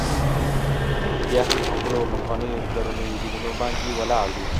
بیا هم پر خپلو پخوانیو پلرنيو دینونو باندي ولاړ وي.